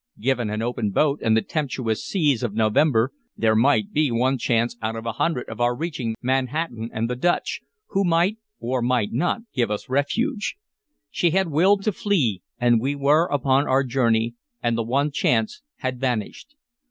Given an open boat and the tempestuous seas of November, there might be one chance out of a hundred of our reaching Manhattan and the Dutch, who might or might not give us refuge. She had willed to flee, and we were upon our journey, and the one chance had vanished.